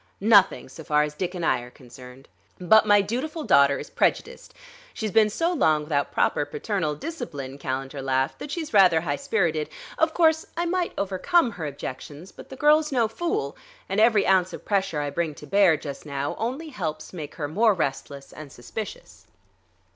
Nothing, so far as Dick and I are concerned. But my dutiful daughter is prejudiced; she's been so long without proper paternal discipline," Calendar laughed, "that she's rather high spirited. Of course I might overcome her objections, but the girl's no fool, and every ounce of pressure I bring to bear just now only helps make her more restless and suspicious."